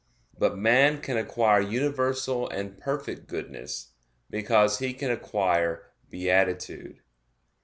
But man can acquire universal and perfect goodness, because he can acquire beatitude.